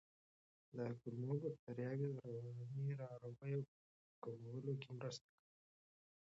د کولمو بکتریاوې د رواني ناروغیو کمولو کې مرسته کوي.